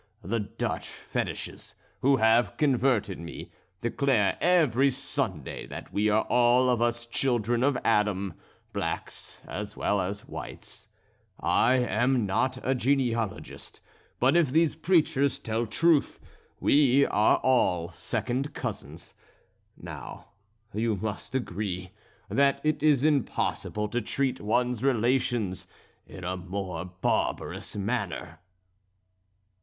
The Dutch fetiches, who have converted me, declare every Sunday that we are all of us children of Adam blacks as well as whites. I am not a genealogist, but if these preachers tell truth, we are all second cousins. Now, you must agree, that it is impossible to treat one's relations in a more barbarous manner."